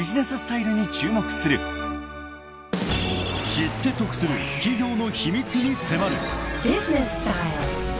［知って得する企業の秘密に迫る］